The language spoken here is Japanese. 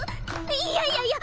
いやいやいや！